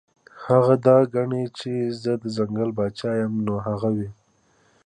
هغه دا ګڼي چې زۀ د ځنګل باچا يمه نو هغه وي -